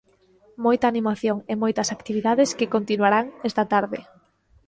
Moita animación e moitas activades que continuarán esta tarde.